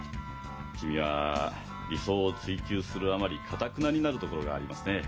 君は理想を追求するあまりかたくなになるところがありますねえ。